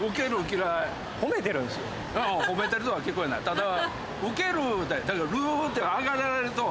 ただ。